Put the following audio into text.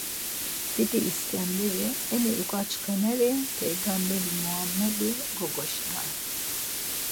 Didi İskenderi, eni uǩaçxeneri peygamberi Muammedi gogaşinay.